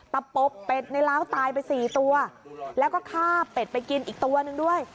ตะปบเป็ดในล้าวตายไปสี่ตัวแล้วก็ฆ่าเป็ดไปกินอีกตัวหนึ่งด้วย